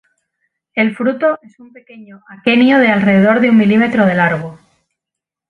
El fruto es un pequeño aquenio de alrededor de un milímetro de largo.